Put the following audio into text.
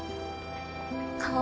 顔。